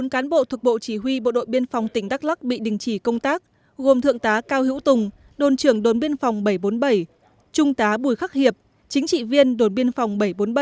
bốn cán bộ thuộc bộ chỉ huy bộ đội biên phòng tỉnh đắk lắc bị đình chỉ công tác gồm thượng tá cao hữu tùng đồn trưởng đồn biên phòng bảy trăm bốn mươi bảy trung tá bùi khắc hiệp chính trị viên đồn biên phòng bảy trăm bốn mươi bảy